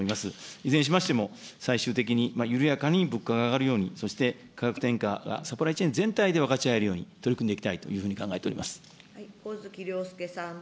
いずれにしましても、最終的に緩やかに物価が上がるように、そして価格転嫁、サプライチェーン全体で分かち合えるように、取り組んでいきたいというふうに考えて上月良祐さん。